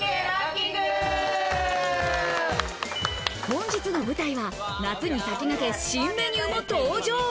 本日の舞台は、夏に先駆け、新メニューも登場。